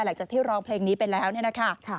หลังจากที่ร้องเพลงนี้ไปแล้วเนี่ยนะคะ